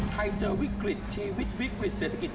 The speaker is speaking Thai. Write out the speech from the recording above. เจอวิกฤตชีวิตวิกฤติเศรษฐกิจ